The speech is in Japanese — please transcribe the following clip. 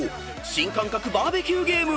新感覚バーベキューゲーム］